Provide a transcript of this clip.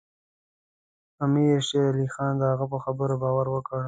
امیر شېر علي خان د هغه په خبرو باور وکړ.